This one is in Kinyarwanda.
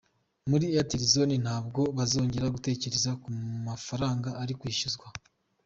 Muri Airtel Zone ntabwo bazongera gutekereza ku mafarnga uri kwishyura.